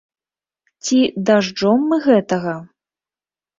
Ці дажджом мы гэтага?